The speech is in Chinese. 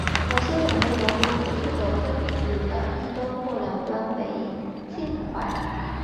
某些种类的胡萝卜素的分子的一端或两端为烃环。